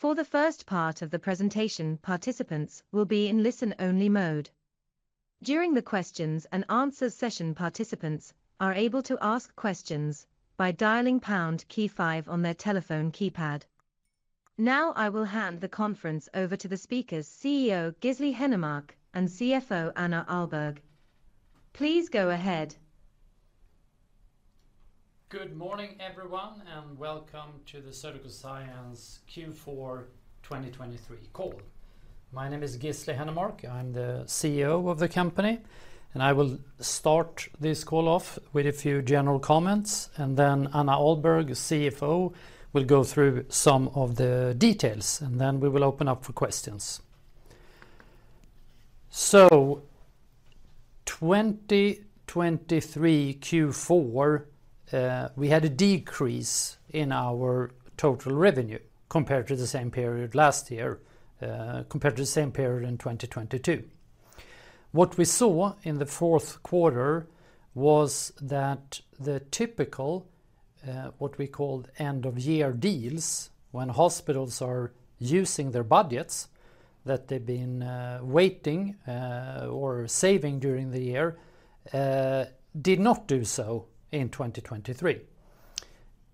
For the first part of the presentation, participants will be in listen-only mode. During the questions-and-answers session, participants are able to ask questions by dialing pound key 5 on their telephone keypad. Now I will hand the conference over to the speakers, CEO Gisli Hennermark and CFO Anna Ahlberg. Please go ahead. Good morning everyone and welcome to the Surgical Science Q4 2023 call. My name is Gisli Hennermark, I'm the CEO of the company, and I will start this call off with a few general comments, and then Anna Ahlberg, CFO, will go through some of the details, and then we will open up for questions. So 2023 Q4, we had a decrease in our total revenue compared to the same period last year, compared to the same period in 2022. What we saw in the fourth quarter was that the typical, what we call end-of-year deals, when hospitals are using their budgets, that they've been waiting or saving during the year, did not do so in 2023.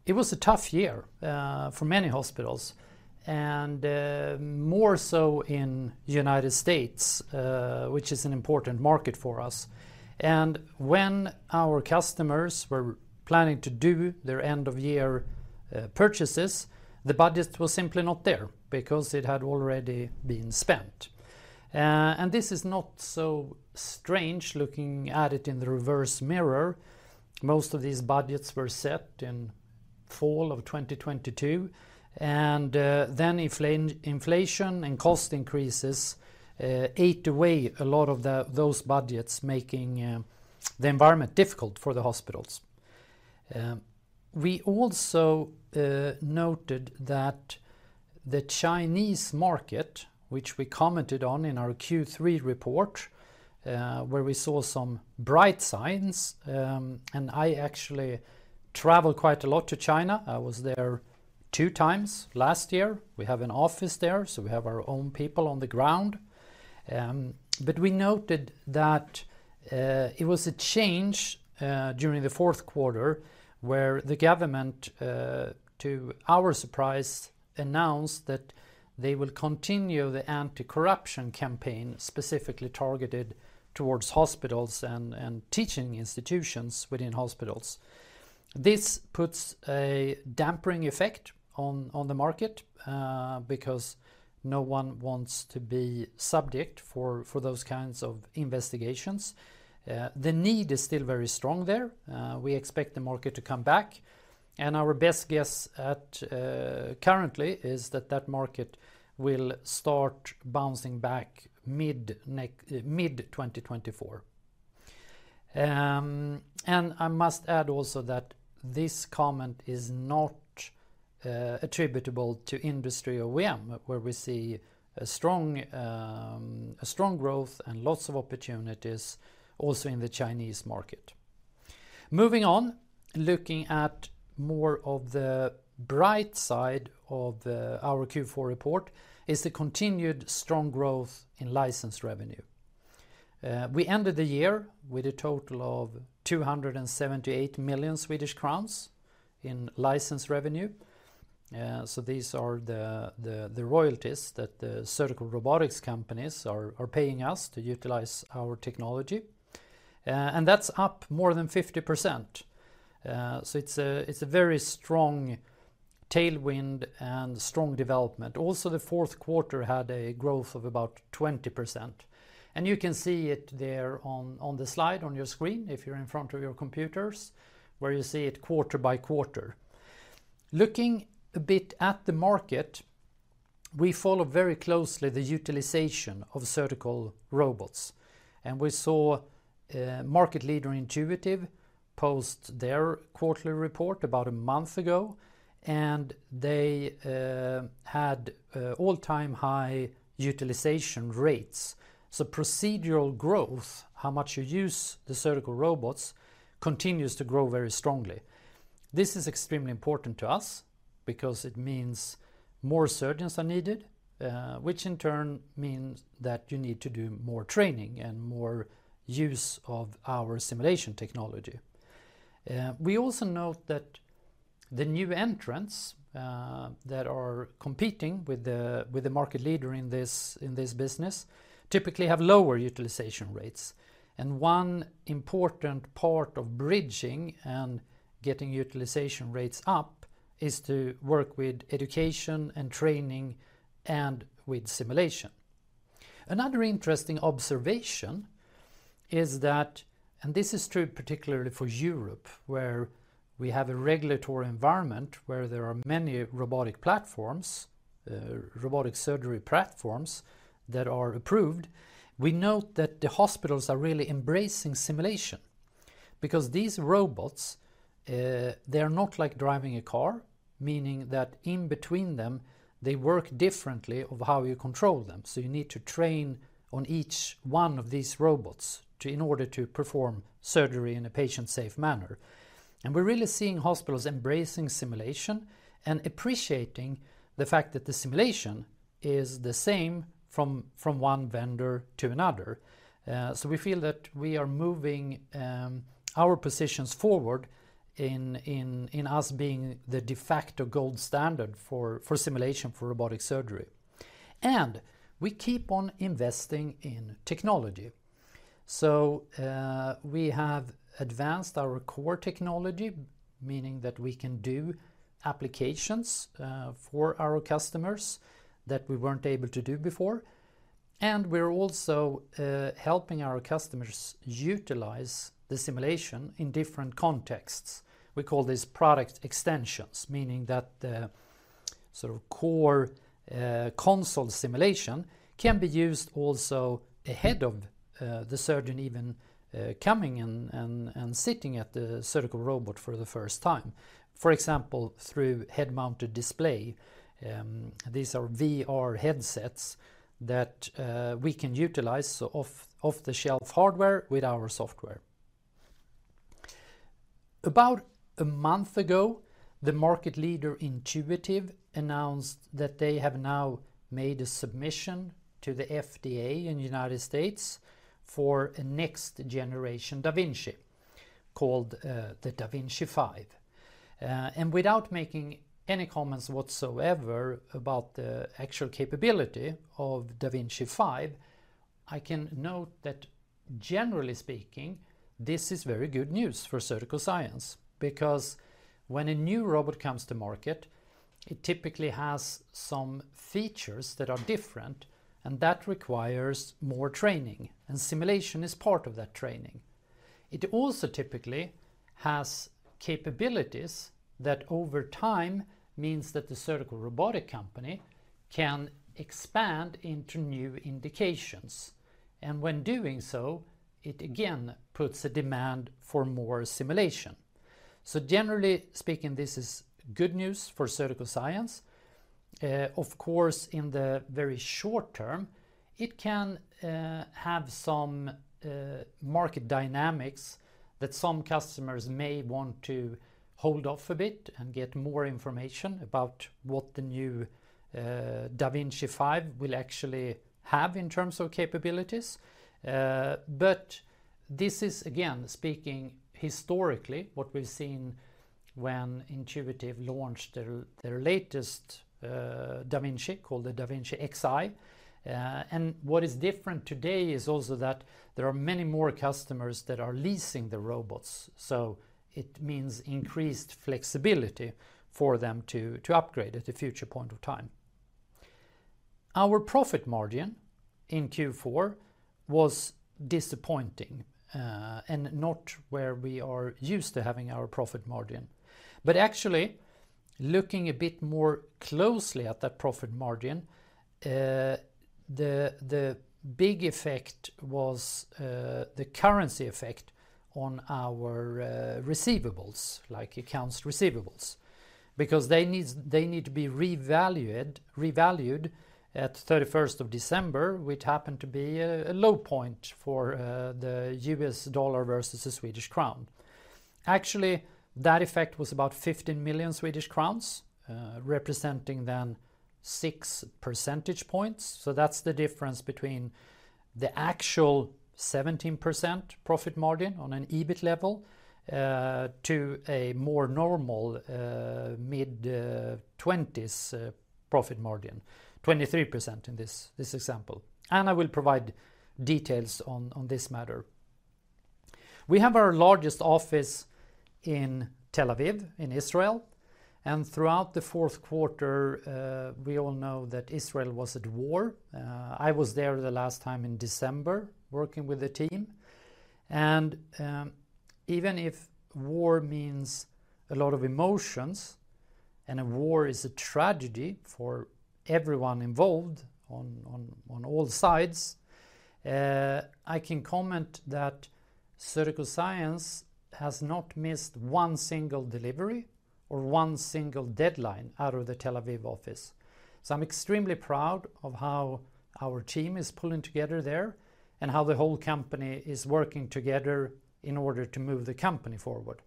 It was a tough year for many hospitals, and more so in the United States, which is an important market for us. When our customers were planning to do their end-of-year purchases, the budget was simply not there because it had already been spent. And this is not so strange looking at it in the rearview mirror. Most of these budgets were set in fall of 2022, and then inflation and cost increases ate away a lot of those budgets, making the environment difficult for the hospitals. We also noted that the Chinese market, which we commented on in our Q3 report where we saw some bright signs, and I actually travel quite a lot to China. I was there two times last year. We have an office there, so we have our own people on the ground. But we noted that it was a change during the fourth quarter where the government, to our surprise, announced that they will continue the anti-corruption campaign specifically targeted towards hospitals and teaching institutions within hospitals. This puts a dampening effect on the market because no one wants to be subject to those kinds of investigations. The need is still very strong there. We expect the market to come back, and our best guess currently is that that market will start bouncing back mid-2024. And I must add also that this comment is not attributable to Industry OEM, where we see a strong growth and lots of opportunities also in the Chinese market. Moving on, looking at more of the bright side of our Q4 report is the continued strong growth in license revenue. We ended the year with a total of 278 million Swedish crowns in license revenue. So these are the royalties that the surgical robotics companies are paying us to utilize our technology, and that's up more than 50%. So it's a very strong tailwind and strong development. Also, the fourth quarter had a growth of about 20%, and you can see it there on the slide on your screen if you're in front of your computers where you see it quarter by quarter. Looking a bit at the market, we follow very closely the utilization of surgical robots, and we saw market leader Intuitive post their quarterly report about a month ago, and they had all-time high utilization rates. So procedural growth, how much you use the surgical robots, continues to grow very strongly. This is extremely important to us because it means more surgeons are needed, which in turn means that you need to do more training and more use of our simulation technology. We also note that the new entrants that are competing with the market leader in this business typically have lower utilization rates. One important part of bridging and getting utilization rates up is to work with education and training and with simulation. Another interesting observation is that—and this is true particularly for Europe where we have a regulatory environment where there are many robotic platforms, robotic surgery platforms that are approved—we note that the hospitals are really embracing simulation because these robots, they are not like driving a car, meaning that in between them, they work differently of how you control them. So you need to train on each one of these robots in order to perform surgery in a patient-safe manner. We're really seeing hospitals embracing simulation and appreciating the fact that the simulation is the same from one vendor to another. So we feel that we are moving our positions forward in our being the de facto gold standard for simulation for robotic surgery. And we keep on investing in technology. So we have advanced our core technology, meaning that we can do applications for our customers that we weren't able to do before. And we're also helping our customers utilize the simulation in different contexts. We call these product extensions, meaning that the sort of core console simulation can be used also ahead of the surgeon even coming and sitting at the surgical robot for the first time, for example, through head-mounted display. These are VR headsets that we can utilize off-the-shelf hardware with our software. About a month ago, the market leader Intuitive announced that they have now made a submission to the FDA in the United States for a next-generation da Vinci called the da Vinci 5. Without making any comments whatsoever about the actual capability of da Vinci 5, I can note that generally speaking, this is very good news for Surgical Science because when a new robot comes to market, it typically has some features that are different, and that requires more training, and simulation is part of that training. It also typically has capabilities that over time means that the surgical robotic company can expand into new indications, and when doing so, it again puts a demand for more simulation. So generally speaking, this is good news for Surgical Science. Of course, in the very short term, it can have some market dynamics that some customers may want to hold off a bit and get more information about what the new da Vinci 5 will actually have in terms of capabilities. But this is, again, speaking historically, what we've seen when Intuitive launched their latest da Vinci called the da Vinci Xi. And what is different today is also that there are many more customers that are leasing the robots, so it means increased flexibility for them to upgrade at a future point of time. Our profit margin in Q4 was disappointing and not where we are used to having our profit margin. But actually, looking a bit more closely at that profit margin, the big effect was the currency effect on our receivables, like accounts receivables, because they need to be revalued at 31st of December, which happened to be a low point for the US dollar versus the Swedish krona. Actually, that effect was about 15 million Swedish crowns, representing then 6 percentage points. So that's the difference between the actual 17% profit margin on an EBIT level to a more normal mid-20s profit margin, 23% in this example. And I will provide details on this matter. We have our largest office in Tel Aviv, in Israel, and throughout the fourth quarter, we all know that Israel was at war. I was there the last time in December working with the team. And even if war means a lot of emotions and a war is a tragedy for everyone involved on all sides, I can comment that Surgical Science has not missed one single delivery or one single deadline out of the Tel Aviv office. So I'm extremely proud of how our team is pulling together there and how the whole company is working together in order to move the company forward.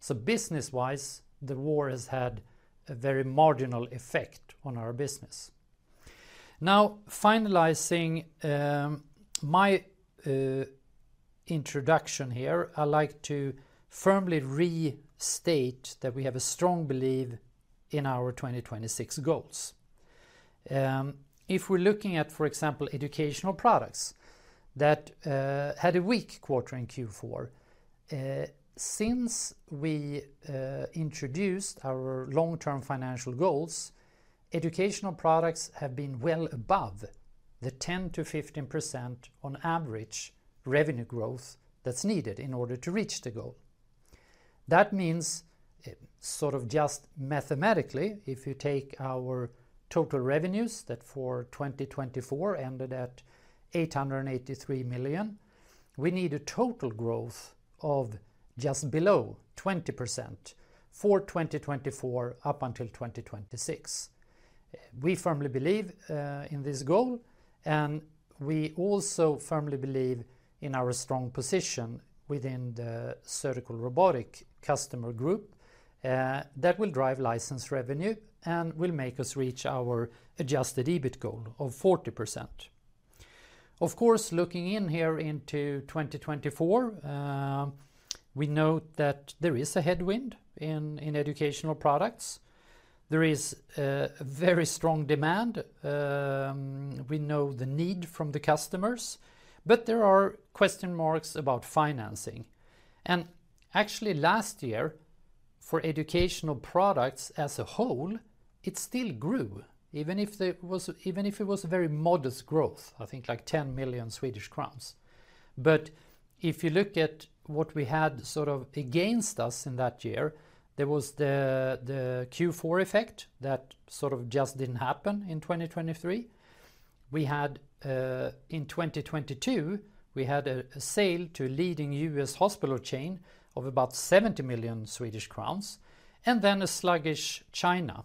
So business-wise, the war has had a very marginal effect on our business. Now, finalizing my introduction here, I like to firmly restate that we have a strong belief in our 2026 goals. If we're looking at, for example, educational products that had a weak quarter in Q4, since we introduced our long-term financial goals, educational products have been well above the 10%-15% on average revenue growth that's needed in order to reach the goal. That means, sort of just mathematically, if you take our total revenues that for 2024 ended at 883 million, we need a total growth of just below 20% for 2024 up until 2026. We firmly believe in this goal, and we also firmly believe in our strong position within the surgical robotic customer group that will drive license revenue and will make us reach our Adjusted EBIT goal of 40%. Of course, looking in here into 2024, we note that there is a headwind in educational products. There is very strong demand. We know the need from the customers, but there are question marks about financing. And actually, last year, for educational products as a whole, it still grew, even if it was a very modest growth, I think like 10 million Swedish crowns. But if you look at what we had sort of against us in that year, there was the Q4 effect that sort of just didn't happen in 2023. In 2022, we had a sale to a leading US hospital chain of about 70 million Swedish crowns and then a sluggish China.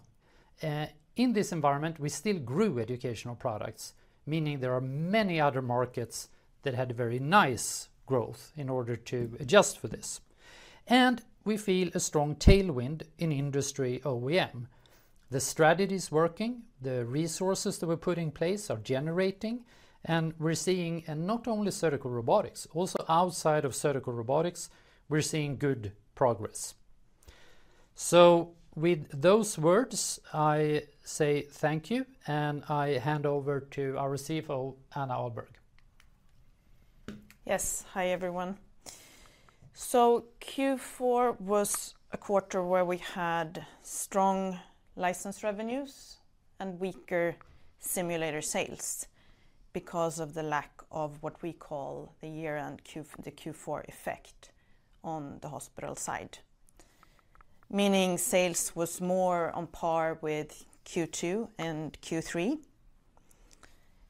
In this environment, we still grew educational products, meaning there are many other markets that had very nice growth in order to adjust for this. And we feel a strong tailwind in Industry OEM. The strategy is working. The resources that we're putting in place are generating, and we're seeing not only surgical robotics, also outside of surgical robotics, we're seeing good progress. So with those words, I say thank you, and I hand over to our CFO, Anna Ahlberg. Yes. Hi, everyone. So Q4 was a quarter where we had strong license revenues and weaker simulator sales because of the lack of what we call the year-end Q4 effect on the hospital side, meaning sales was more on par with Q2 and Q3.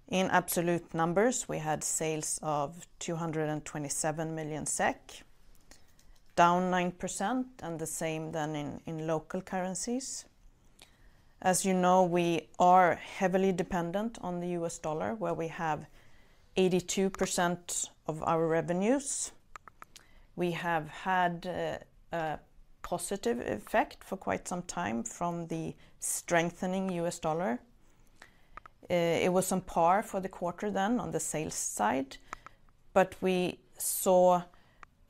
In absolute numbers, we had sales of 227 million SEK, down 9%, and the same then in local currencies. As you know, we are heavily dependent on the US dollar, where we have 82% of our revenues. We have had a positive effect for quite some time from the strengthening US dollar. It was on par for the quarter then on the sales side, but we saw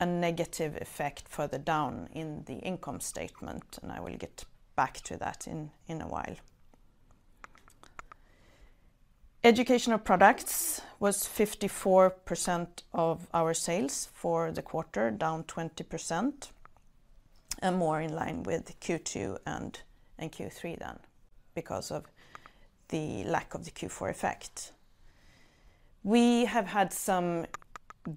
a negative effect further down in the income statement, and I will get back to that in a while. Educational products was 54% of our sales for the quarter, down 20%, and more in line with Q2 and Q3 than because of the lack of the Q4 effect. We have had some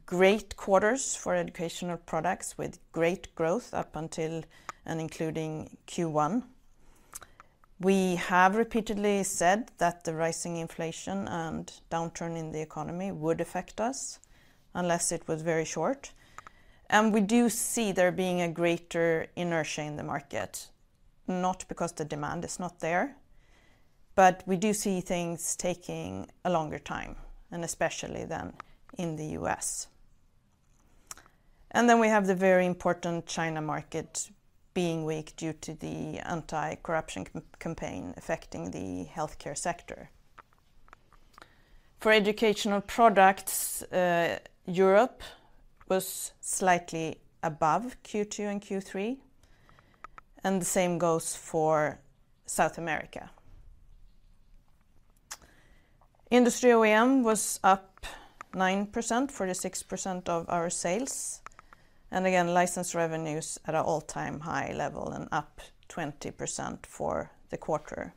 great quarters for educational products with great growth up until and including Q1. We have repeatedly said that the rising inflation and downturn in the economy would affect us unless it was very short. We do see there being a greater inertia in the market, not because the demand is not there, but we do see things taking a longer time, and especially then in the U.S. And then we have the very important China market being weak due to the anti-corruption campaign affecting the healthcare sector. For educational products, Europe was slightly above Q2 and Q3, and the same goes for South America. Industry OEM was up 9%, 46% of our sales, and again, license revenues at an all-time high level and up 20% for the quarter.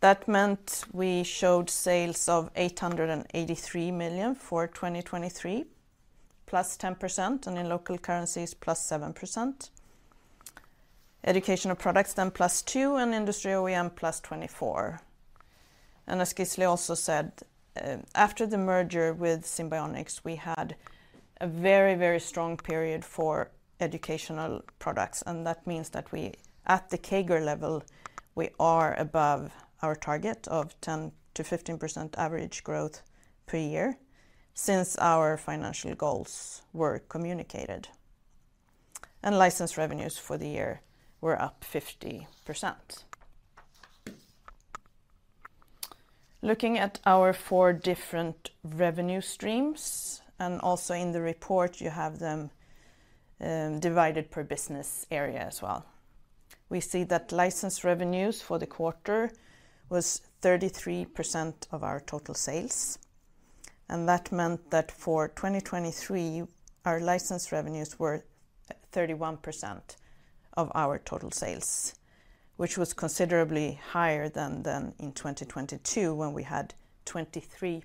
That meant we showed sales of 883 million for 2023, +10%, and in local currencies, +7%. Educational products then +2% and Industry OEM +24%. Anna and Gisli also said, "After the merger with Simbionix, we had a very, very strong period for educational products, and that means that at the CAGR level, we are above our target of 10%-15% average growth per year since our financial goals were communicated." License revenues for the year were up 50%. Looking at our four different revenue streams, and also in the report, you have them divided per business area as well. We see that license revenues for the quarter was 33% of our total sales. And that meant that for 2023, our license revenues were 31% of our total sales, which was considerably higher than in 2022 when we had 23%.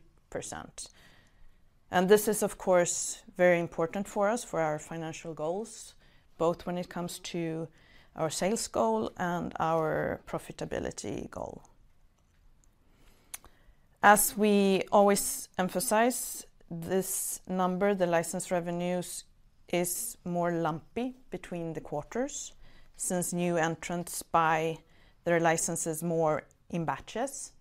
And this is, of course, very important for us for our financial goals, both when it comes to our sales goal and our profitability goal. As we always emphasize, this number, the license revenues, is more lumpy between the quarters since new entrants buy their licenses more in batches.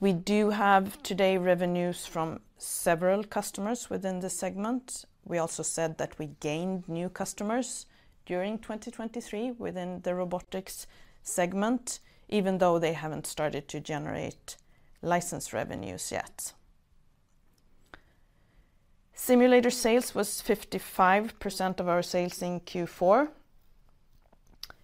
We do have today revenues from several customers within the segment. We also said that we gained new customers during 2023 within the robotics segment, even though they haven't started to generate license revenues yet. Simulator sales was 55% of our sales in Q4.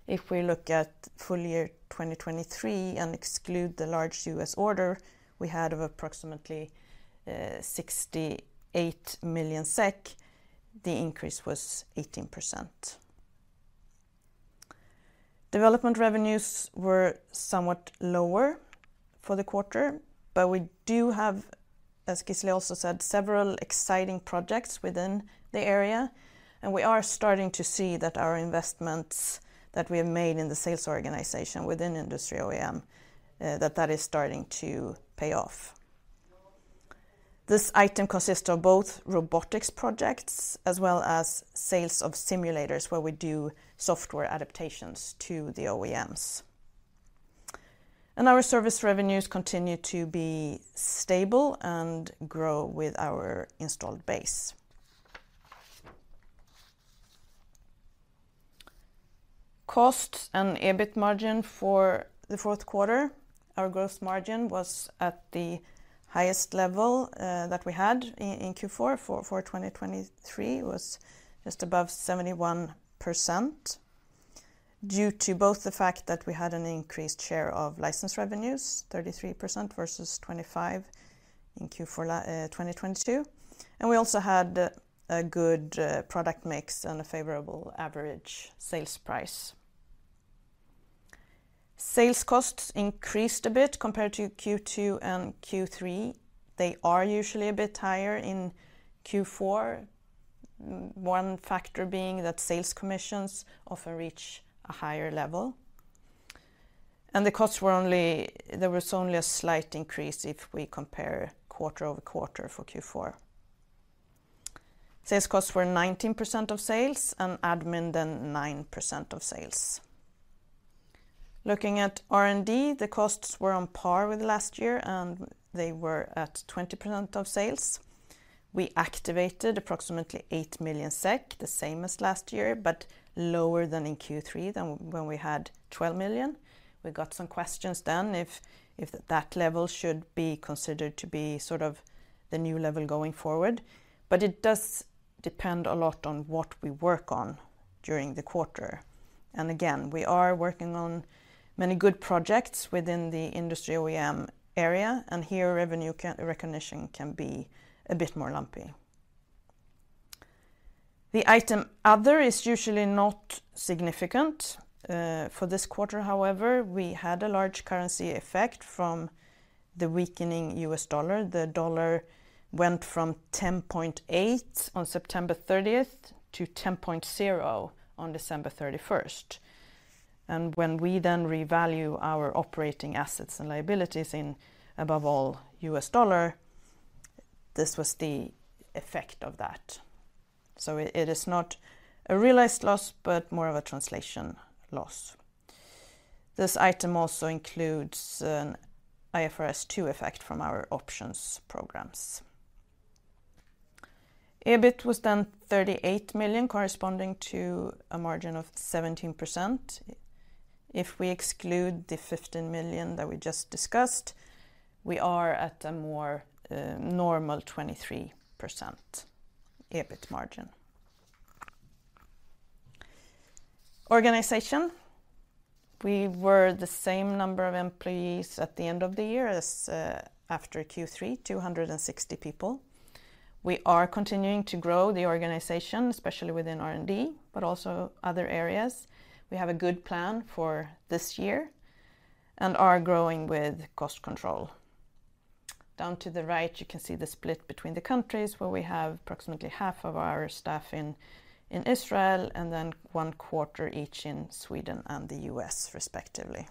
If we look at full year 2023 and exclude the large US order we had of approximately 68 million SEK, the increase was 18%. Development revenues were somewhat lower for the quarter, but we do have, as Gisli also said, several exciting projects within the area. And we are starting to see that our investments that we have made in the sales organization within Industry OEM, that that is starting to pay off. This item consists of both robotics projects as well as sales of simulators where we do software adaptations to the OEMs. Our service revenues continue to be stable and grow with our installed base. Cost and EBIT margin for the fourth quarter, our gross margin was at the highest level that we had in Q4 for 2023, was just above 71% due to both the fact that we had an increased share of license revenues, 33% versus 25% in Q4 2022. We also had a good product mix and a favorable average sales price. Sales costs increased a bit compared to Q2 and Q3. They are usually a bit higher in Q4, one factor being that sales commissions often reach a higher level. The costs were only there was only a slight increase if we compare quarter over quarter for Q4. Sales costs were 19% of sales and admin then 9% of sales. Looking at R&D, the costs were on par with last year, and they were at 20% of sales. We activated approximately 8 million SEK, the same as last year, but lower than in Q3 than when we had 12 million. We got some questions then if that level should be considered to be sort of the new level going forward. But it does depend a lot on what we work on during the quarter. And again, we are working on many good projects within the Industry OEM area, and here revenue recognition can be a bit more lumpy. The item other is usually not significant. For this quarter, however, we had a large currency effect from the weakening US dollar. The dollar went from 10.8 on September 30th to 10.0 on December 31st. When we then revalue our operating assets and liabilities in, above all, US dollar, this was the effect of that. So it is not a realized loss, but more of a translation loss. This item also includes an IFRS 2 effect from our options programs. EBIT was then 38 million, corresponding to a margin of 17%. If we exclude the 15 million that we just discussed, we are at a more normal 23% EBIT margin. Organization, we were the same number of employees at the end of the year as after Q3, 260 people. We are continuing to grow the organization, especially within R&D, but also other areas. We have a good plan for this year and are growing with cost control. Down to the right, you can see the split between the countries where we have approximately half of our staff in Israel and then one quarter each in Sweden and the US, respectively.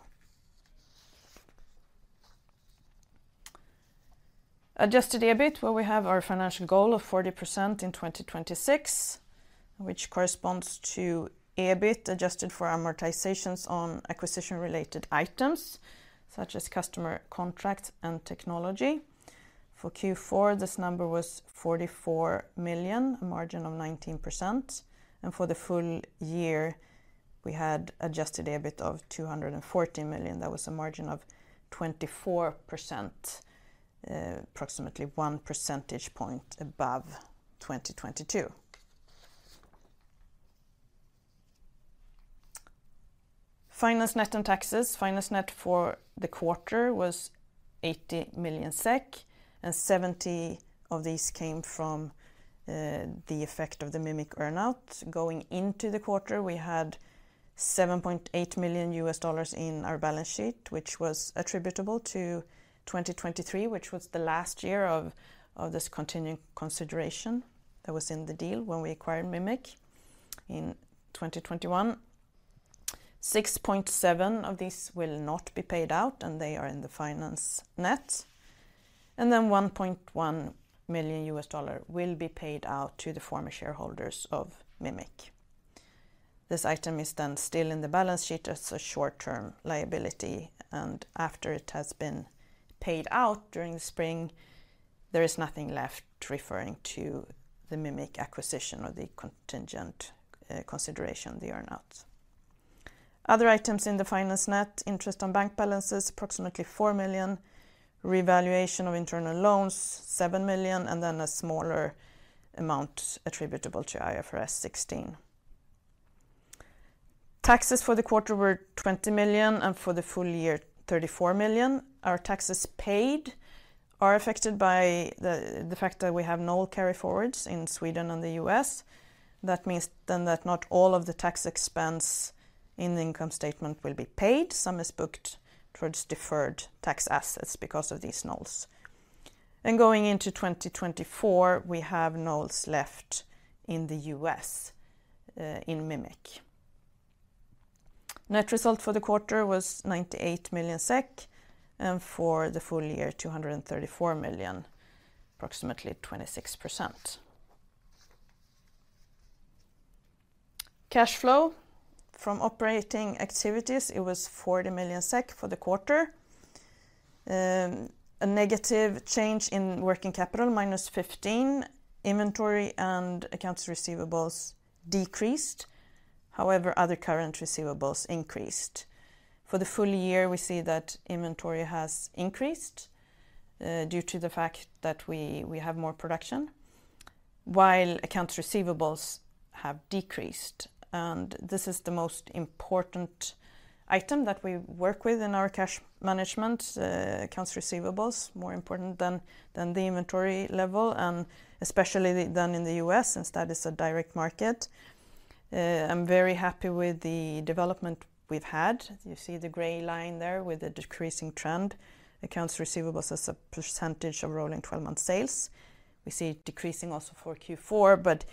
Adjusted EBIT, where we have our financial goal of 40% in 2026, which corresponds to EBIT adjusted for amortizations on acquisition-related items such as customer contracts and technology. For Q4, this number was 44 million, a margin of 19%. For the full year, we had Adjusted EBIT of 240 million. That was a margin of 24%, approximately one percentage point above 2022. Finance net and taxes, finance net for the quarter was 80 million SEK, and 70 million of these came from the effect of the Mimic earnout. Going into the quarter, we had $7.8 million in our balance sheet, which was attributable to 2023, which was the last year of this continuing consideration that was in the deal when we acquired Mimic in 2021. $6.7 million of these will not be paid out, and they are in the finance net. And then $1.1 million will be paid out to the former shareholders of Mimic. This item is then still in the balance sheet as a short-term liability. And after it has been paid out during the spring, there is nothing left referring to the Mimic acquisition or the contingent consideration, the earnouts. Other items in the finance net, interest on bank balances, approximately 4 million, revaluation of internal loans, 7 million, and then a smaller amount attributable to IFRS 16. Taxes for the quarter were 20 million and for the full year, 34 million. Our taxes paid are affected by the fact that we have no carry-forwards in Sweden and the U.S. That means then that not all of the tax expense in the income statement will be paid. Some is booked towards deferred tax assets because of these NOLs. Going into 2024, we have NOLs left in the U.S. in Mimic. Net result for the quarter was 98 million SEK, and for the full year, 234 million, approximately 26%. Cash flow from operating activities, it was 40 million SEK for the quarter. A negative change in working capital, minus 15 million. Inventory and accounts receivables decreased. However, other current receivables increased. For the full year, we see that inventory has increased due to the fact that we have more production, while accounts receivables have decreased. This is the most important item that we work with in our cash management, accounts receivable, more important than the inventory level, and especially then in the U.S., since that is a direct market. I'm very happy with the development we've had. You see the gray line there with the decreasing trend, accounts receivable as a percentage of rolling 12-month sales. We see it decreasing also for Q4, but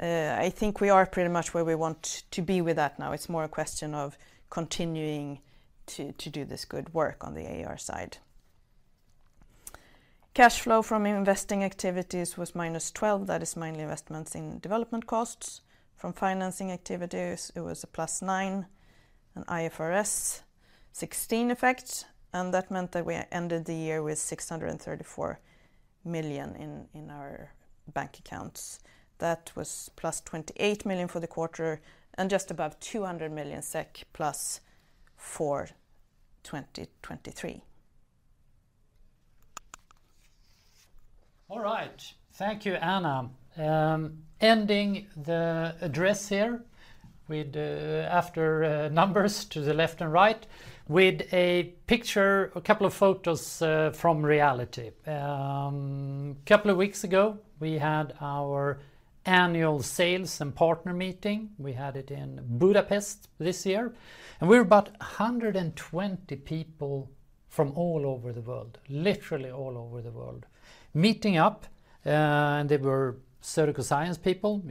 I think we are pretty much where we want to be with that now. It's more a question of continuing to do this good work on the AR side. Cash flow from investing activities was -12 million. That is minor investments in development costs. From financing activities, it was +9 million, an IFRS 16 effect. And that meant that we ended the year with 634 million in our bank accounts. That was +28 million for the quarter and just above 200 million SEK +4% 2023. All right. Thank you, Anna. Ending the address here after numbers to the left and right with a picture, a couple of photos from reality. A couple of weeks ago, we had our annual sales and partner meeting. We had it in Budapest this year. We were about 120 people from all over the world, literally all over the world, meeting up. They were Surgical Science people,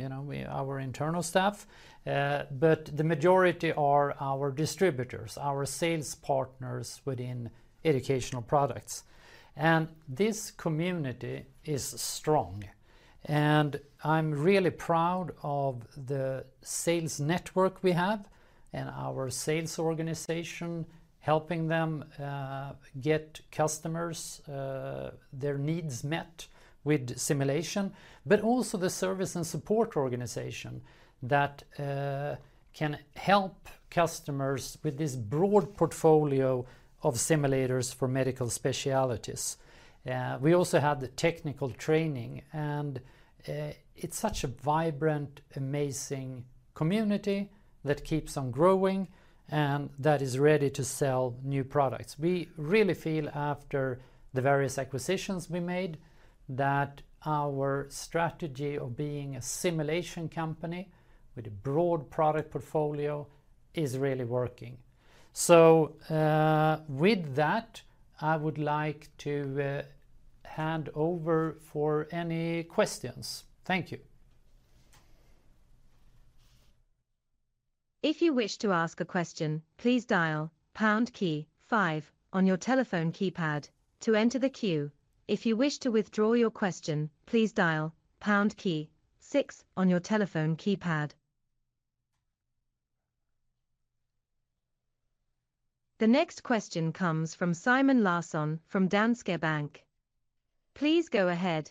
our internal staff. But the majority are our distributors, our sales partners within educational products. This community is strong. I'm really proud of the sales network we have and our sales organization helping them get customers, their needs met with simulation, but also the service and support organization that can help customers with this broad portfolio of simulators for medical specialties. We also had the technical training. It's such a vibrant, amazing community that keeps on growing and that is ready to sell new products. We really feel, after the various acquisitions we made, that our strategy of being a simulation company with a broad product portfolio is really working. With that, I would like to hand over for any questions. Thank you. If you wish to ask a question, please dial pound key 5 on your telephone keypad to enter the queue. If you wish to withdraw your question, please dial pound key 6 on your telephone keypad. The next question comes from Simon Larsson from Danske Bank. Please go ahead.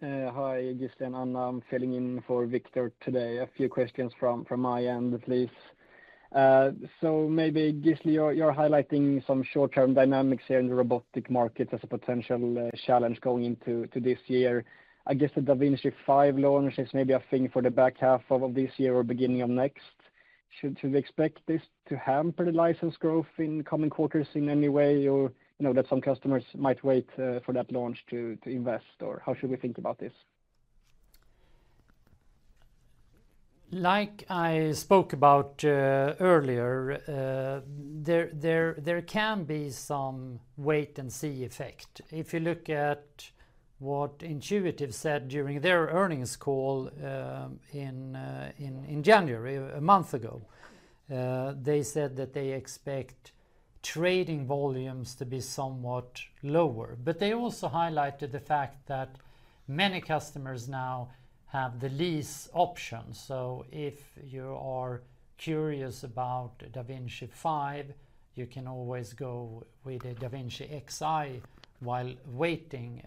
Hi, Gisli and Anna. I'm filling in for Victor today. A few questions from my end, please. So maybe, Gisli, you're highlighting some short-term dynamics here in the robotic markets as a potential challenge going into this year. I guess the da Vinci 5 launch is maybe a thing for the back half of this year or beginning of next. Should we expect this to hamper the license growth in coming quarters in any way, or that some customers might wait for that launch to invest? Or how should we think about this? Like I spoke about earlier, there can be some wait-and-see effect. If you look at what Intuitive said during their earnings call in January, a month ago, they said that they expect trading volumes to be somewhat lower. But they also highlighted the fact that many customers now have the lease option. So if you are curious about da Vinci 5, you can always go with a da Vinci Xi while waiting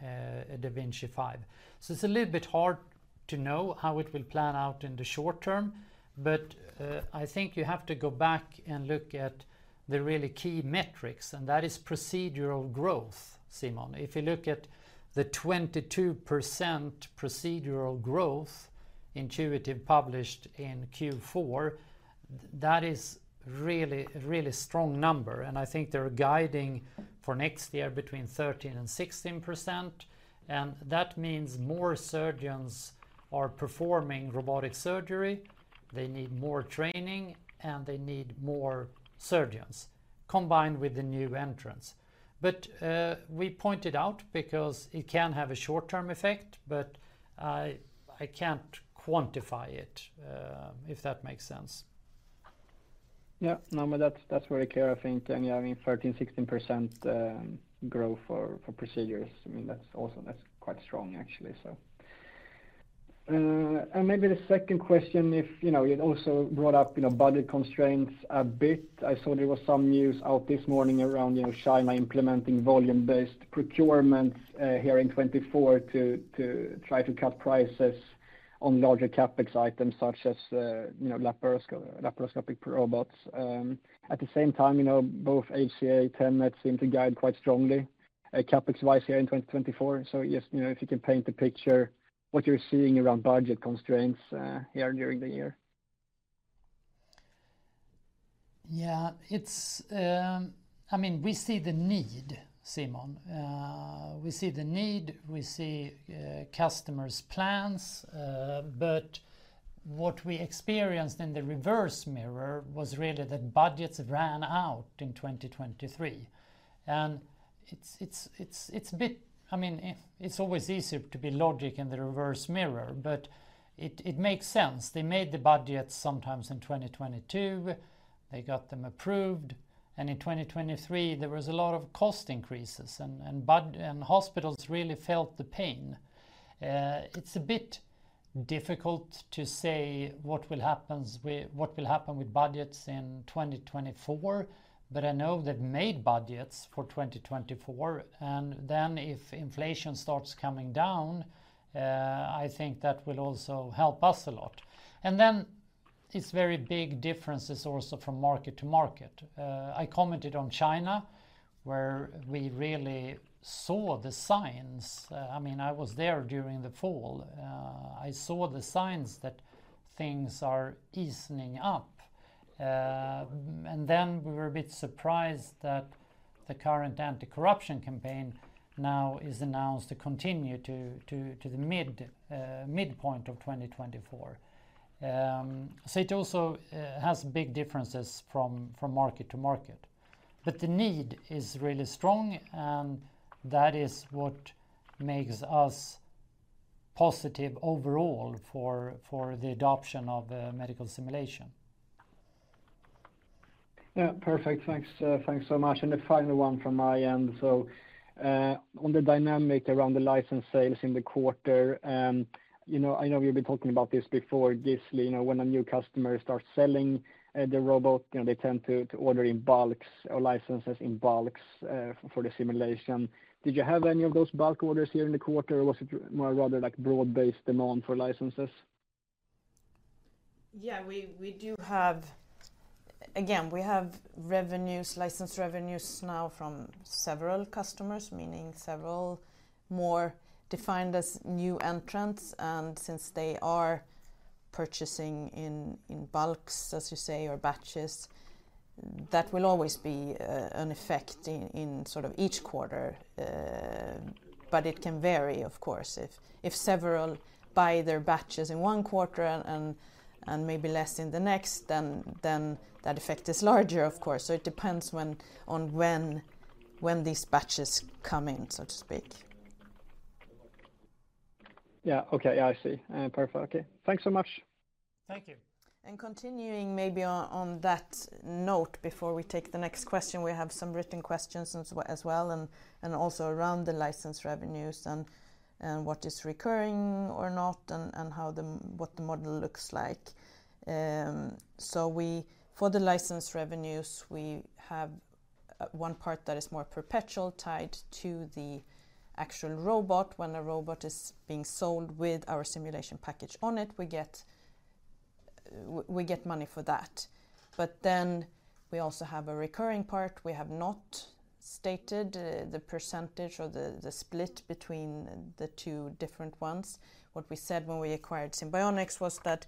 a da Vinci 5. So it's a little bit hard to know how it will pan out in the short term. But I think you have to go back and look at the really key metrics. And that is procedural growth, Simon. If you look at the 22% procedural growth Intuitive published in Q4, that is a really, really strong number. And I think they're guiding for next year between 13%-16%. That means more surgeons are performing robotic surgery. They need more training, and they need more surgeons combined with the new entrants. But we pointed out because it can have a short-term effect, but I can't quantify it, if that makes sense. Yeah. No, but that's very clear, I think. And yeah, I mean, 13%-16% growth for procedures, I mean, that's quite strong, actually, so. And maybe the second question, you also brought up budget constraints a bit. I saw there was some news out this morning around China implementing volume-based procurements here in 2024 to try to cut prices on larger CapEx items such as laparoscopic robots. At the same time, both HCA and Tenet seem to guide quite strongly CapEx-wise here in 2024. So yes, if you can paint the picture, what you're seeing around budget constraints here during the year. Yeah. I mean, we see the need, Simon. We see the need. We see customers' plans. But what we experienced in the rearview mirror was really that budgets ran out in 2023. And it's a bit. I mean, it's always easier to be logical in the rearview mirror, but it makes sense. They made the budgets sometimes in 2022. They got them approved. And in 2023, there was a lot of cost increases, and hospitals really felt the pain. It's a bit difficult to say what will happen with budgets in 2024, but I know they've made budgets for 2024. And then if inflation starts coming down, I think that will also help us a lot. And then it's very big differences also from market to market. I commented on China, where we really saw the signs. I mean, I was there during the fall. I saw the signs that things are easing up. Then we were a bit surprised that the current anti-corruption campaign now is announced to continue to the midpoint of 2024. It also has big differences from market to market. The need is really strong, and that is what makes us positive overall for the adoption of medical simulation. Yeah. Perfect. Thanks so much. And the final one from my end. So on the dynamic around the license sales in the quarter, I know we've been talking about this before, Gisli. When a new customer starts selling the robot, they tend to order in bulks or licenses in bulks for the simulation. Did you have any of those bulk orders here in the quarter, or was it more rather broad-based demand for licenses? Yeah. Again, we have license revenues now from several customers, meaning several more defined as new entrants. Since they are purchasing in bulks, as you say, or batches, that will always be an effect in sort of each quarter. It can vary, of course. If several buy their batches in one quarter and maybe less in the next, then that effect is larger, of course. It depends on when these batches come in, so to speak. Yeah. Okay. I see. Perfect. Okay. Thanks so much. Thank you. And continuing maybe on that note before we take the next question, we have some written questions as well, and also around the license revenues and what is recurring or not and what the model looks like. So for the license revenues, we have one part that is more perpetual tied to the actual robot. When a robot is being sold with our simulation package on it, we get money for that. But then we also have a recurring part. We have not stated the percentage or the split between the two different ones. What we said when we acquired Simbionix was that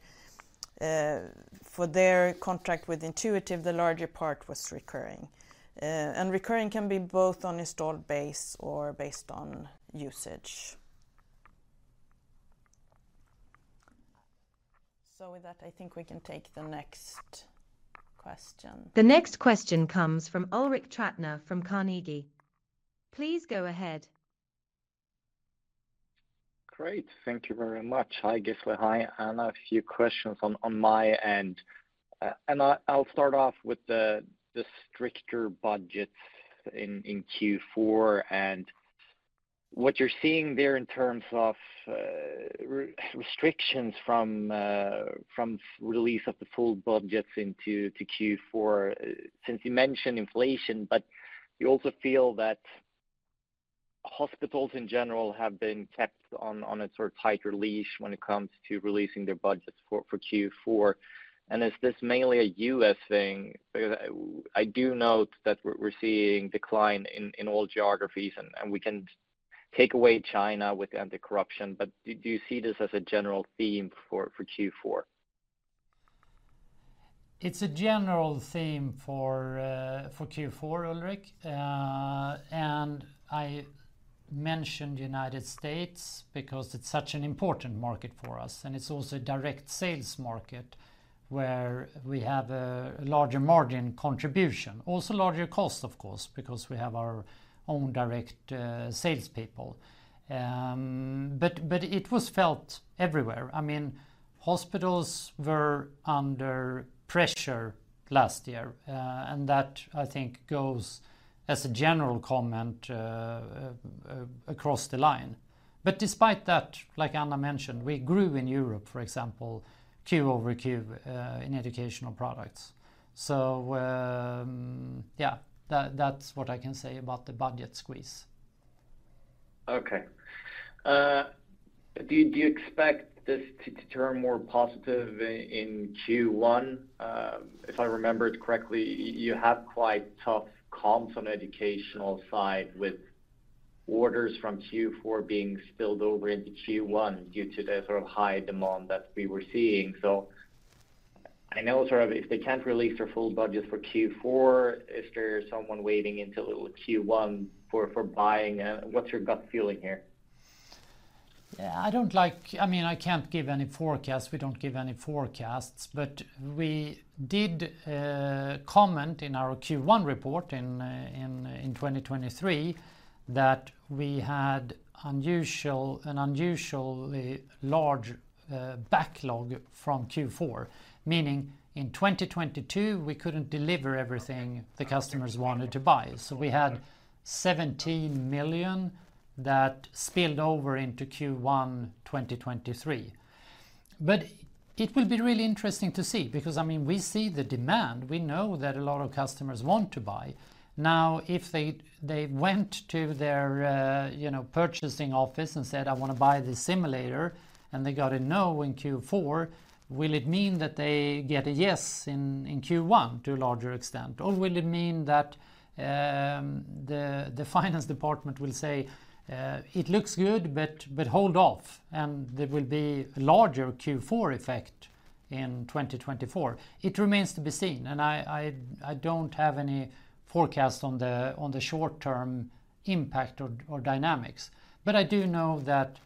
for their contract with Intuitive, the larger part was recurring. And recurring can be both on installed base or based on usage. So with that, I think we can take the next question. The next question comes from Ulrik Trattner from Carnegie. Please go ahead. Great. Thank you very much. Hi, Gisli. Hi, Anna. A few questions on my end. I'll start off with the stricter budgets in Q4 and what you're seeing there in terms of restrictions from release of the full budgets into Q4. Since you mentioned inflation, but you also feel that hospitals in general have been kept on a sort of tighter leash when it comes to releasing their budgets for Q4. Is this mainly a U.S. thing? Because I do note that we're seeing decline in all geographies, and we can take away China with anti-corruption. But do you see this as a general theme for Q4? It's a general theme for Q4, Ulrik. I mentioned the United States because it's such an important market for us. It's also a direct sales market where we have a larger margin contribution, also larger cost, of course, because we have our own direct salespeople. But it was felt everywhere. I mean, hospitals were under pressure last year. That, I think, goes as a general comment across the line. But despite that, like Anna mentioned, we grew in Europe, for example, Q over Q in educational products. Yeah, that's what I can say about the budget squeeze. Okay. Do you expect this to turn more positive in Q1? If I remember it correctly, you have quite tough comps on the educational side with orders from Q4 being spilled over into Q1 due to the sort of high demand that we were seeing. I know sort of if they can't release their full budgets for Q4, is there someone waiting until Q1 for buying? What's your gut feeling here? Yeah. I mean, I can't give any forecasts. We don't give any forecasts. But we did comment in our Q1 report in 2023 that we had an unusually large backlog from Q4, meaning in 2022, we couldn't deliver everything the customers wanted to buy. So we had 17 million that spilled over into Q1 2023. But it will be really interesting to see because, I mean, we see the demand. We know that a lot of customers want to buy. Now, if they went to their purchasing office and said, "I want to buy this simulator," and they got a no in Q4, will it mean that they get a yes in Q1 to a larger extent? Or will it mean that the finance department will say, "It looks good, but hold off, and there will be a larger Q4 effect in 2024"? It remains to be seen. I don't have any forecast on the short-term impact or dynamics. But I do know that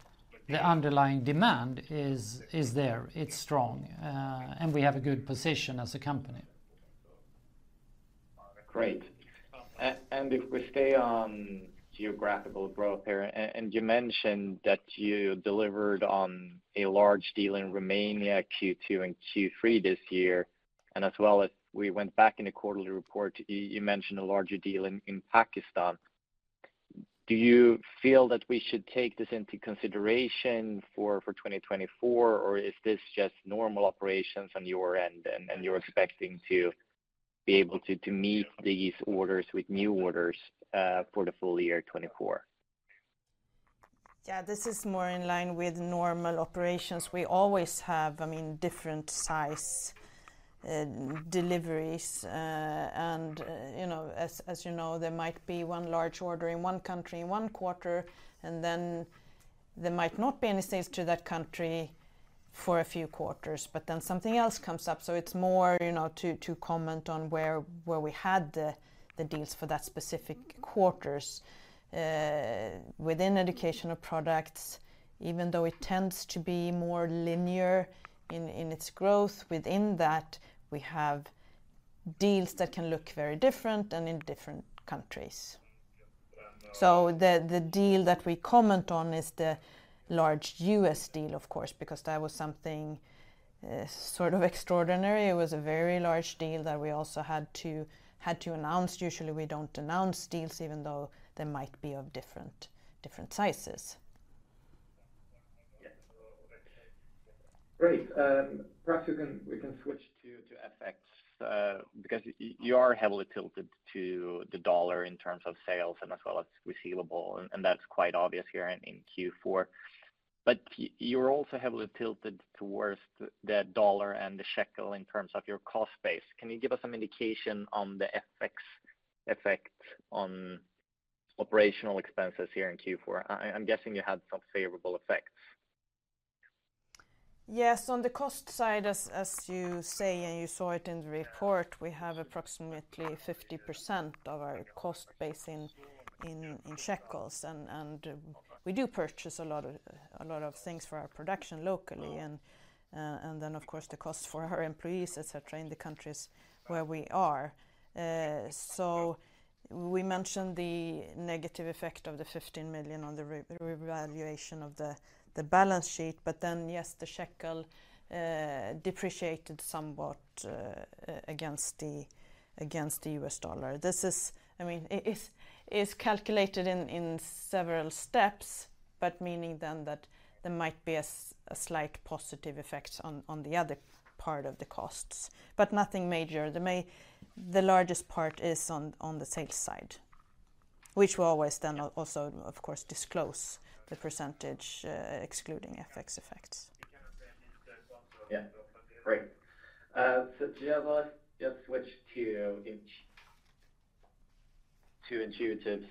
the underlying demand is there. It's strong. We have a good position as a company. Great. And if we stay on geographical growth here, and you mentioned that you delivered on a large deal in Romania Q2 and Q3 this year. And as well as we went back in the quarterly report, you mentioned a larger deal in Pakistan. Do you feel that we should take this into consideration for 2024, or is this just normal operations on your end, and you're expecting to be able to meet these orders with new orders for the full year 2024? Yeah. This is more in line with normal operations. We always have, I mean, different-size deliveries. As you know, there might be one large order in one country in one quarter, and then there might not be any sales to that country for a few quarters. Then something else comes up. It's more to comment on where we had the deals for that specific quarters within educational products, even though it tends to be more linear in its growth. Within that, we have deals that can look very different and in different countries. The deal that we comment on is the large U.S. deal, of course, because that was something sort of extraordinary. It was a very large deal that we also had to announce. Usually, we don't announce deals, even though they might be of different sizes. Great. Perhaps we can switch to FX because you are heavily tilted to the US dollar in terms of sales and as well as receivable, and that's quite obvious here in Q4. But you're also heavily tilted towards the US dollar and the Israeli shekel in terms of your cost base. Can you give us some indication on the FX effect on operational expenses here in Q4? I'm guessing you had some favorable effects. Yes. On the cost side, as you say, and you saw it in the report, we have approximately 50% of our cost base in shekels. And we do purchase a lot of things for our production locally. And then, of course, the costs for our employees, etc., in the countries where we are. So we mentioned the negative effect of 15 million on the revaluation of the balance sheet. But then, yes, the shekel depreciated somewhat against the US dollar. I mean, it's calculated in several steps, but meaning then that there might be a slight positive effect on the other part of the costs, but nothing major. The largest part is on the sales side, which we always then also, of course, disclose the percentage excluding FX effects. Great. So do you have a switch to Intuitive's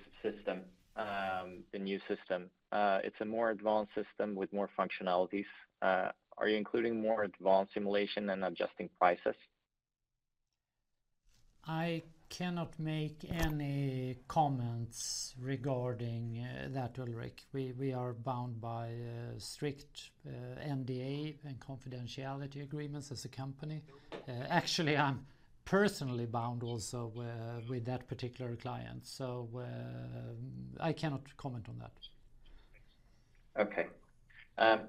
new system? It's a more advanced system with more functionalities. Are you including more advanced simulation and adjusting prices? I cannot make any comments regarding that, Ulrik. We are bound by strict NDA and confidentiality agreements as a company. Actually, I'm personally bound also with that particular client. So I cannot comment on that. Okay.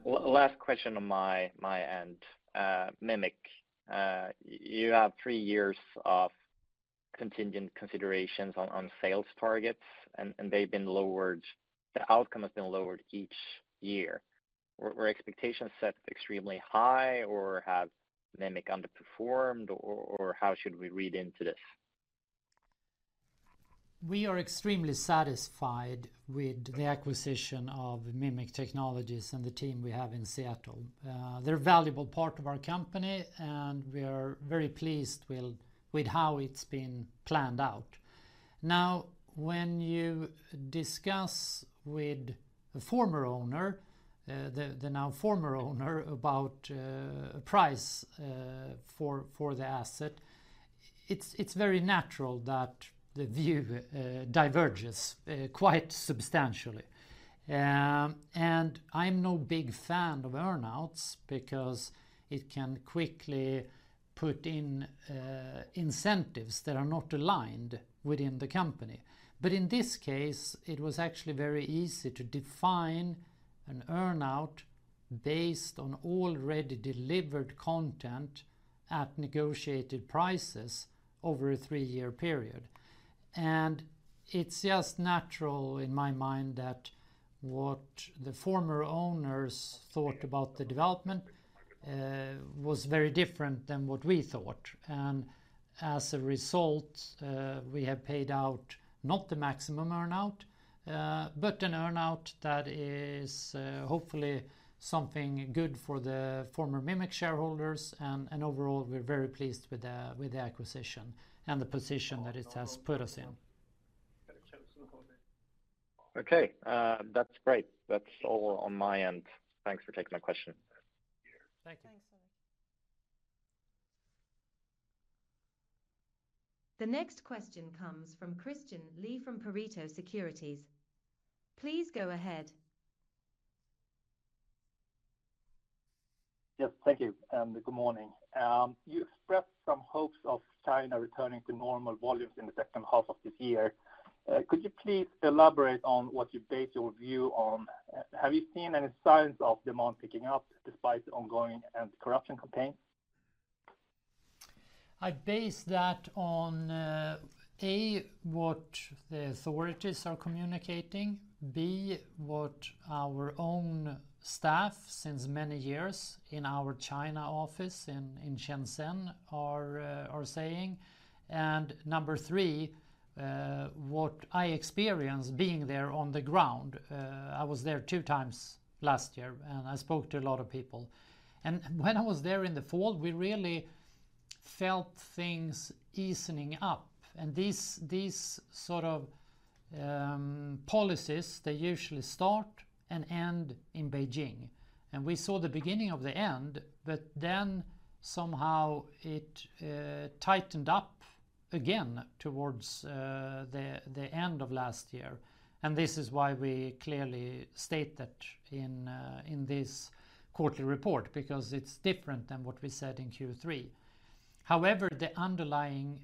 Last question on my end, Mimic. You have three years of continued considerations on sales targets, and they've been lowered. The outcome has been lowered each year. Were expectations set extremely high, or have Mimic underperformed, or how should we read into this? We are extremely satisfied with the acquisition of Mimic Technologies and the team we have in Seattle. They're a valuable part of our company, and we are very pleased with how it's been planned out. Now, when you discuss with the now former owner about price for the asset, it's very natural that the view diverges quite substantially. I'm no big fan of earnouts because it can quickly put in incentives that are not aligned within the company. But in this case, it was actually very easy to define an earnout based on already delivered content at negotiated prices over a three-year period. It's just natural in my mind that what the former owners thought about the development was very different than what we thought. As a result, we have paid out not the maximum earnout, but an earnout that is hopefully something good for the former Mimic shareholders. Overall, we're very pleased with the acquisition and the position that it has put us in. Okay. That's great. That's all on my end. Thanks for taking my question. Thank you. Thanks, Ulrik. The next question comes from Christian Lee from Pareto Securities. Please go ahead. Yes. Thank you. Good morning. You expressed some hopes of China returning to normal volumes in the second half of this year. Could you please elaborate on what you base your view on? Have you seen any signs of demand picking up despite the ongoing anti-corruption campaign? I base that on, A, what the authorities are communicating, B, what our own staff since many years in our China office in Shenzhen are saying, and number three, what I experienced being there on the ground. I was there two times last year, and I spoke to a lot of people. When I was there in the fall, we really felt things easing up. These sort of policies, they usually start and end in Beijing. We saw the beginning of the end, but then somehow it tightened up again towards the end of last year. This is why we clearly state that in this quarterly report because it's different than what we said in Q3. However, the underlying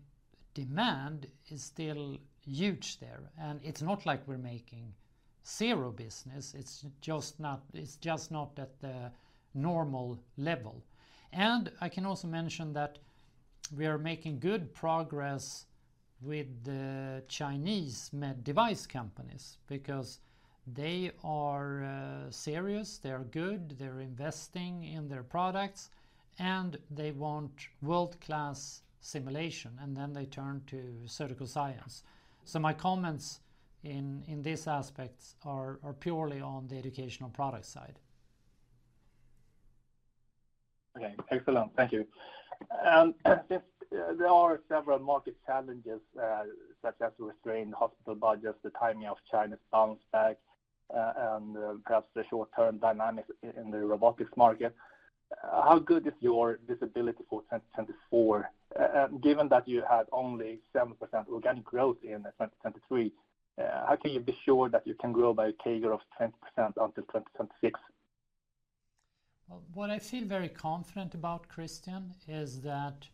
demand is still huge there. It's not like we're making zero business. It's just not at the normal level. I can also mention that we are making good progress with Chinese med-device companies because they are serious. They are good. They're investing in their products, and they want world-class simulation. And then they turn to Surgical Science. So my comments in these aspects are purely on the educational product side. Okay. Excellent. Thank you. Since there are several market challenges such as restrained hospital budgets, the timing of China's bounce back, and perhaps the short-term dynamics in the robotics market, how good is your visibility for 2024? Given that you had only 7% organic growth in 2023, how can you be sure that you can grow by a CAGR of 20% until 2026? Well, what I feel very confident about, Christian, is that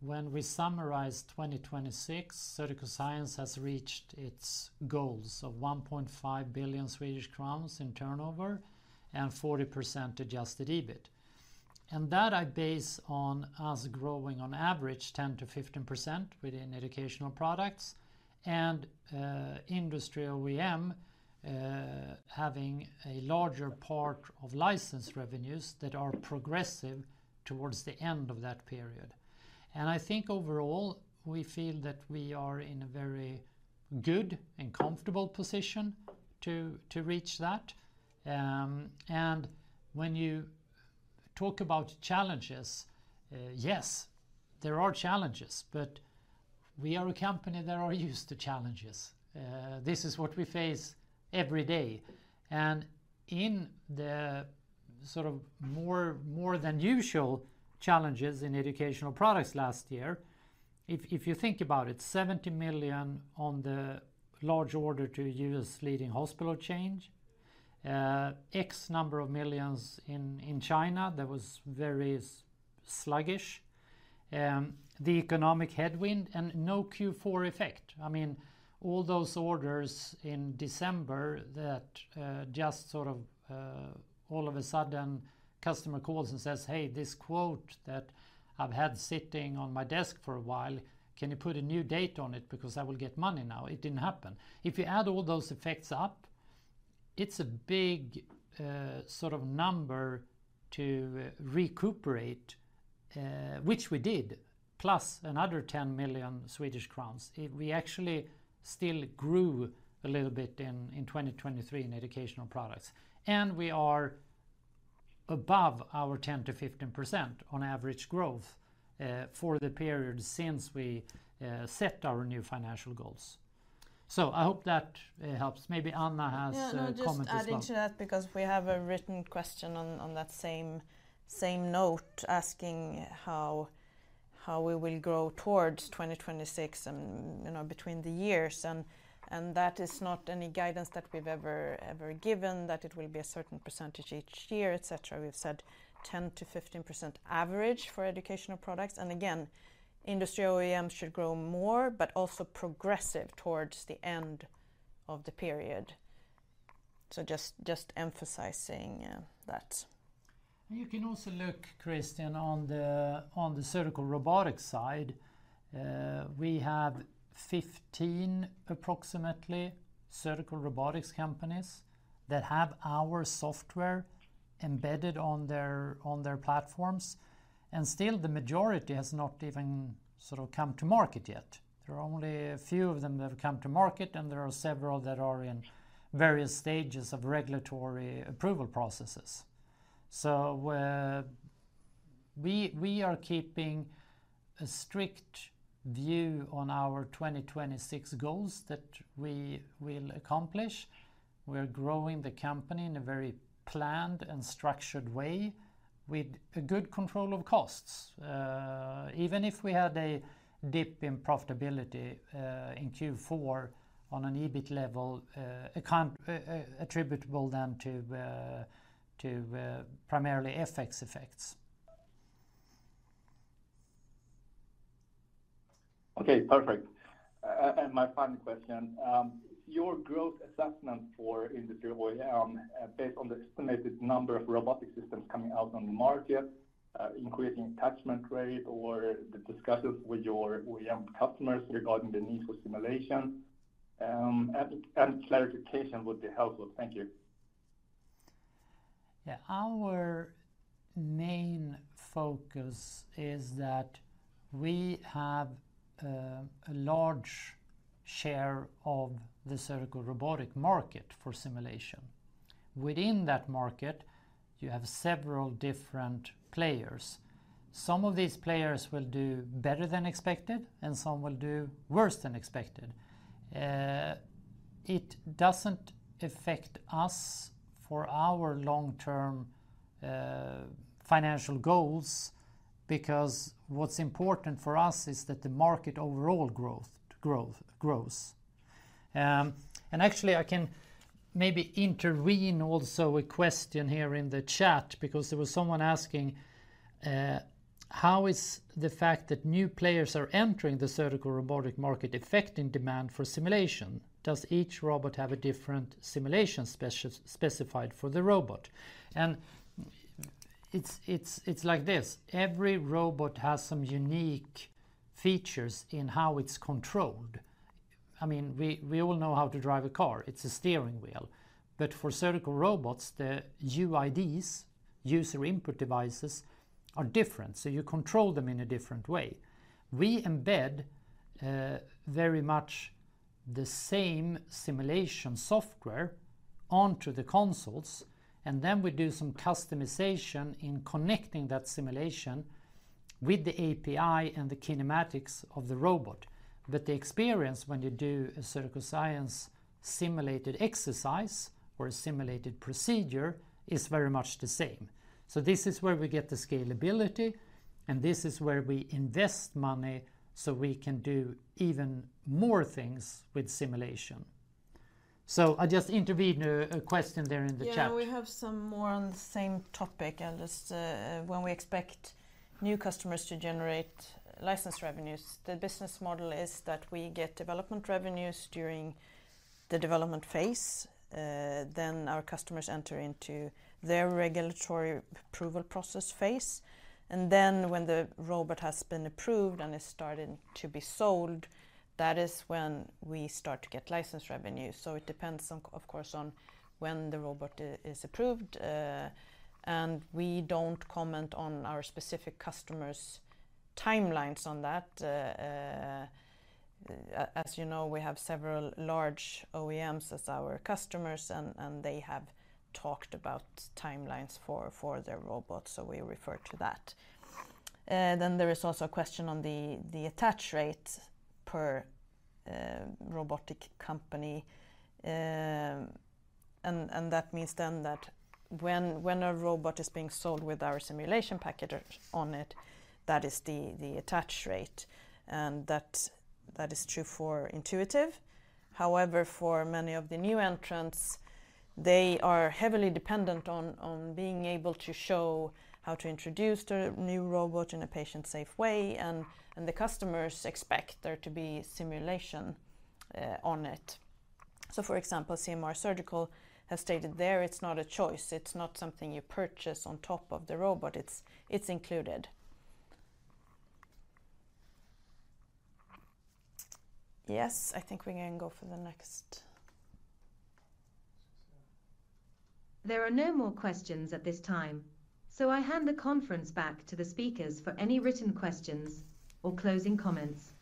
when we summarize 2026, Surgical Science has reached its goals of 1.5 billion Swedish crowns in turnover and 40% Adjusted EBIT. And that I base on us growing on average 10%-15% within educational products and Industry OEM having a larger part of license revenues that are progressive towards the end of that period. And I think overall, we feel that we are in a very good and comfortable position to reach that. And when you talk about challenges, yes, there are challenges. But we are a company that is used to challenges. This is what we face every day. In the sort of more-than-usual challenges in educational products last year, if you think about it, $70 million on the large order to U.S.-leading hospital chain, X number of millions in China that was very sluggish, the economic headwind, and no Q4 effect. I mean, all those orders in December that just sort of all of a sudden, customer calls and says, "Hey, this quote that I've had sitting on my desk for a while, can you put a new date on it because I will get money now?" It didn't happen. If you add all those effects up, it's a big sort of number to recuperate, which we did, plus another 10 million Swedish crowns. We actually still grew a little bit in 2023 in educational products. We are above our 10%-15% on average growth for the period since we set our new financial goals. I hope that helps. Maybe Anna has a comment as well. Yeah. No, just adding to that because we have a written question on that same note asking how we will grow towards 2026 and between the years. And that is not any guidance that we've ever given, that it will be a certain percentage each year, etc. We've said 10%-15% average for educational products. And again, Industry OEM should grow more, but also progressive towards the end of the period. So just emphasizing that. You can also look, Christian, on the surgical robotics side. We have approximately 15 surgical robotics companies that have our software embedded on their platforms. And still, the majority has not even sort of come to market yet. There are only a few of them that have come to market, and there are several that are in various stages of regulatory approval processes. So we are keeping a strict view on our 2026 goals that we will accomplish. We are growing the company in a very planned and structured way with a good control of costs, even if we had a dip in profitability in Q4 on an EBIT level attributable then to primarily FX effects. Okay. Perfect. And my final question, your growth assessment for Industry OEM based on the estimated number of robotic systems coming out on the market, increasing attachment rate, or the discussions with your OEM customers regarding the need for simulation? And clarification would be helpful. Thank you. Yeah. Our main focus is that we have a large share of the surgical robotic market for simulation. Within that market, you have several different players. Some of these players will do better than expected, and some will do worse than expected. It doesn't affect us for our long-term financial goals because what's important for us is that the market overall growth grows. And actually, I can maybe intervene also a question here in the chat because there was someone asking, "How is the fact that new players are entering the surgical robotic market affecting demand for simulation? Does each robot have a different simulation specified for the robot?" And it's like this. Every robot has some unique features in how it's controlled. I mean, we all know how to drive a car. It's a steering wheel. But for surgical robots, the UIDs, user input devices, are different. So you control them in a different way. We embed very much the same simulation software onto the consoles, and then we do some customization in connecting that simulation with the API and the kinematics of the robot. But the experience when you do a Surgical Science simulated exercise or a simulated procedure is very much the same. So this is where we get the scalability, and this is where we invest money so we can do even more things with simulation. So I just intervened a question there in the chat. Yeah. We have some more on the same topic. Just when we expect new customers to generate license revenues, the business model is that we get development revenues during the development phase. Our customers enter into their regulatory approval process phase. Then when the robot has been approved and is starting to be sold, that is when we start to get license revenues. So it depends, of course, on when the robot is approved. We don't comment on our specific customers' timelines on that. As you know, we have several large OEMs as our customers, and they have talked about timelines for their robots. So we refer to that. There is also a question on the attach rate per robotic company. That means then that when a robot is being sold with our simulation package on it, that is the attach rate. That is true for Intuitive. However, for many of the new entrants, they are heavily dependent on being able to show how to introduce the new robot in a patient-safe way. The customers expect there to be simulation on it. So for example, CMR Surgical has stated there, it's not a choice. It's not something you purchase on top of the robot. It's included. Yes. I think we can go for the next. There are no more questions at this time. So I hand the conference back to the speakers for any written questions or closing comments.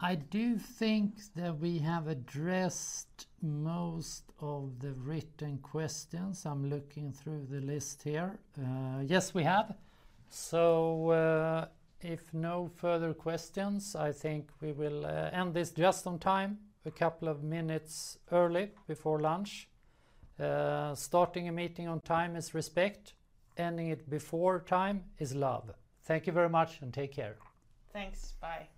I do think that we have addressed most of the written questions. I'm looking through the list here. Yes, we have. If no further questions, I think we will end this just on time, a couple of minutes early before lunch. Starting a meeting on time is respect. Ending it before time is love. Thank you very much, and take care. Thanks. Bye.